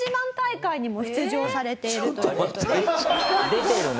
出てるな。